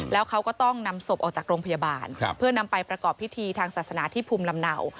แล้วเขาก็ต้องนำศพออกจากโรงพยาบาลเพื่อนำไปประกอบพิธีทางศาสนาที่ภูมิลำเนา